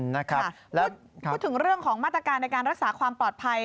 แล้วพูดถึงเรื่องของมาตรการในการรักษาความปลอดภัย